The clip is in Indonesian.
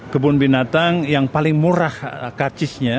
kebun binatang yang paling murah karcisnya